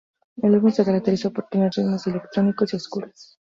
El álbum se caracterizó por tener ritmos electrónicos y oscuros.